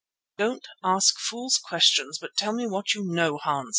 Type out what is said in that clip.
"Don't ask fool's questions but tell me what you know, Hans.